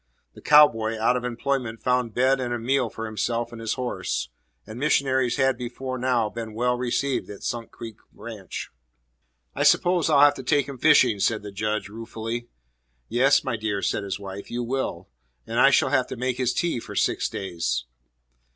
The cow boy out of employment found bed and a meal for himself and his horse, and missionaries had before now been well received at Sunk Creek Ranch. "I suppose I'll have to take him fishing," said the Judge ruefully. "Yes, my dear," said his wife, "you will. And I shall have to make his tea for six days."